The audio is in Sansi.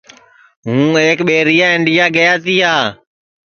ہوں ایک ٻیریا انڈیا گیا تیا